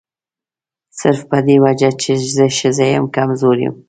صرف په دې وجه چې زه ښځه یم کمزوري یم.